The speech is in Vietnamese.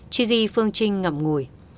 gigi phương trinh ngậm ngùi